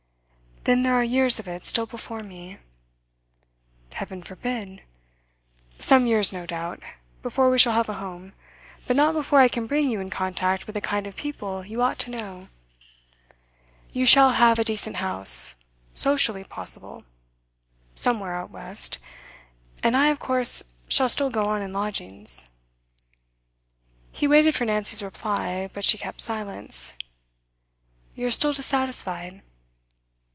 'Then there are years of it still before me.' 'Heaven forbid! Some years, no doubt, before we shall have a home; but not before I can bring you in contact with the kind of people you ought to know. You shall have a decent house socially possible somewhere out west; and I, of course, shall still go on in lodgings.' He waited for Nancy's reply, but she kept silence. 'You are still dissatisfied?